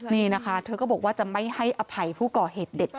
นี่นะคะเธอก็บอกว่าจะไม่ให้อภัยผู้ก่อเหตุเด็ด